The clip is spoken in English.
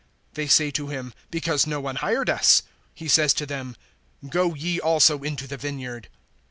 (7)They say to him: Because no one hired us. He says to them: Go ye also into the vineyard.